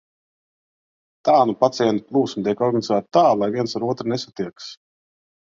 Tā nu pacientu plūsma tiek organizēta tā, lai viens ar otru nesatiekas.